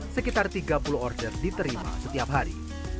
sekitar tiga puluh order diterima setiap hari